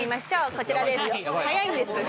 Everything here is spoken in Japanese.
こちらです早いんです。